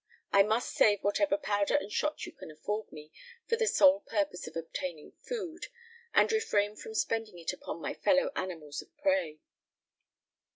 I must save whatever powder and shot you can afford me, for the sole purpose of obtaining food, and refrain from spending it upon my fellow animals of prey."